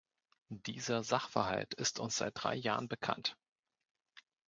Dieser Sachverhalt ist uns seit drei Jahren bekannt.